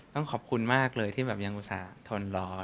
ต้องขอบคุณมากเลยที่แบบยังอุตส่าหนรอ